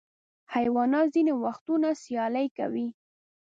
حیوانات ځینې وختونه سیالۍ کوي.